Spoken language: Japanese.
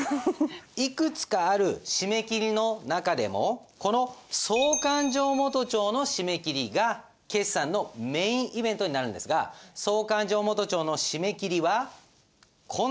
いくつかある締め切りの中でもこの総勘定元帳の締め切りが決算のメインイベントになるんですが総勘定元帳の締め切りはこんな手順で行います。